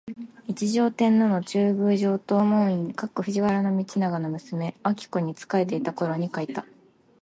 一条天皇の中宮上東門院（藤原道長の娘彰子）に仕えていたころに書いた